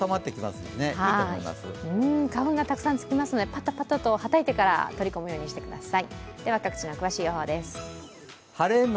花粉がたくさんつきますのでパタパタとはたいてから取り込んでください。